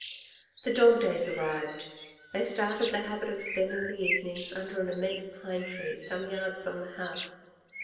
The dog days arrived. They started the habit of spending the evenings under an immense pine tree some yards from the house.